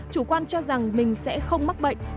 chủ quan cho rằng mình sẽ không mắc bệnh